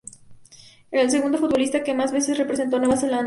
Es el segundo futbolista que más veces representó a Nueva Zelanda.